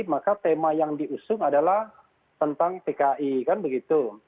maka tema yang diusung adalah tentang pki kan begitu